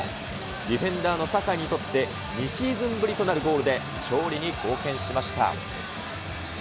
ディフェンダーの酒井にとって２シーズンぶりとなるゴールで、勝利に貢献しました。